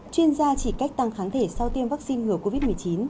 chuyên gia chỉ cách tăng kháng thể sau tiêm vaccine ngừa covid một mươi chín